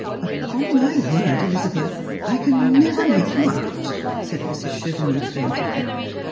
" Upon my word, Elizabeth, I can never make you out," said Mrs. Chevenix, plaintively.